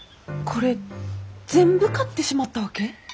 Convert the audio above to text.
これ全部買ってしまったわけ？